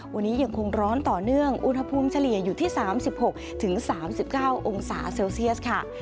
วันนี้ยังคงร้อนต่อเนื่องอุณหภูมิเฉลี่ยอยู่ที่๓๖๓๙องศาเซลเซียสค่ะ